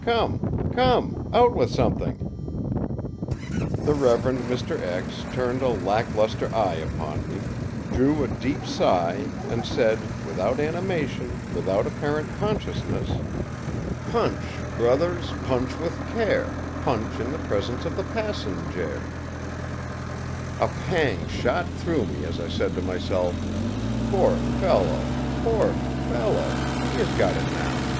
Come, come, out with something!î The Rev. Mr. turned a lack lustre eye upon me, drew a deep sigh, and said, without animation, without apparent consciousness: ìPunch, brothers, punch with care! Punch in the presence of the passenjare!î A pang shot through me as I said to myself, ìPoor fellow, poor fellow! he has got it, now.